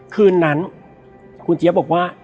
คืนนั้นคุณเจี๊ยบบอกว่า